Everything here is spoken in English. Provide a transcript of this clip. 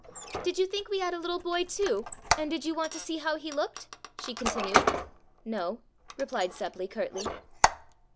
"Did you think we had a little boy, too, and did you want to see how he looked?" she continued. "No," replied Seppli curtly.